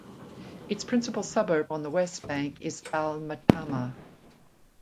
Its principal suburb on the west bank is Al-Matamma.